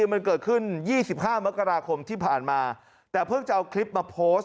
มันเกิดขึ้น๒๕มกราคมที่ผ่านมาแต่เพิ่งจะเอาคลิปมาโพสต์